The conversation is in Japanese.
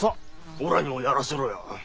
おらにもやらせろや。